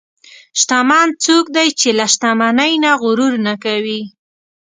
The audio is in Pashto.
شتمن څوک دی چې له شتمنۍ نه غرور نه کوي.